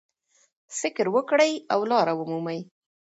فکر وکړئ او لاره ومومئ.